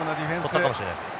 捕ったかもしれないです。